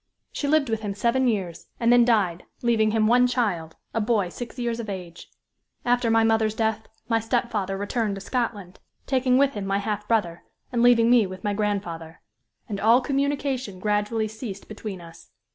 She lived with him seven years, and then died, leaving him one child, a boy six years of age. After my mother's death, my stepfather returned to Scotland, taking with him my half brother, and leaving me with my grandfather. And all communication gradually ceased between us.